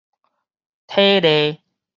體例